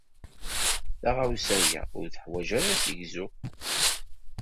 Taɣawsa-a ur teḥwaj ara assegzu.